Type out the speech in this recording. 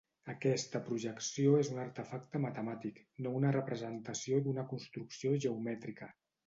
Aquesta projecció és un artefacte matemàtic, no una representació d'una construcció geomètrica.